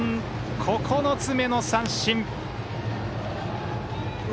９つ目の三振！